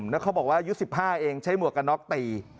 แล้วเขาบอกว่ายุดสิบห้าเองใช้หมวกกันน็อคตี